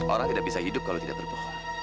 orang tidak bisa hidup kalau tidak terbongkar